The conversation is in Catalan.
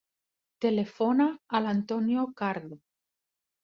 Telefona a l'Antonio Cardo.